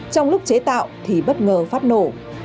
trong lúc chế tạo thì bất ngờ phát nổ